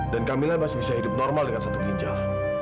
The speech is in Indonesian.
dan kamila masih bisa hidup normal dengan satu ginjal